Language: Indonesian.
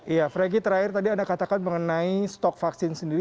iya franky terakhir tadi anda katakan mengenai stok vaksin sendiri